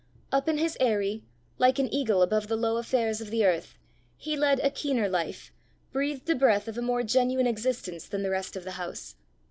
Up in his aerie, like an eagle above the low affairs of the earth, he led a keener life, breathed the breath of a more genuine existence than the rest of the house.